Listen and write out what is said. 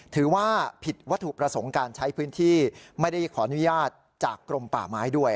ถือว่าผิดวัตถุประสงค์การใช้พื้นที่ไม่ได้ขออนุญาตจากกรมป่าไม้ด้วย